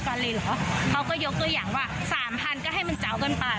แต่พอมาเจอตำรวจรอบนี้เจอพี่เค้ายังไง